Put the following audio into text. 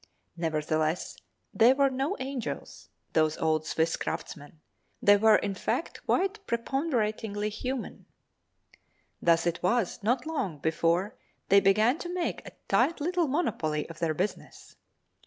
Nevertheless, they were no angels—those old Swiss craftsmen; they were in fact quite preponderatingly human. Thus it was not long before they began to make a tight little monopoly of their business.